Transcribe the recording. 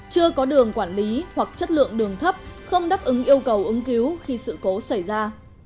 chưa có đường quản lý hoặc chất lượng đường thấp không đáp ứng yêu cầu ứng cứu khi sự cố xảy ra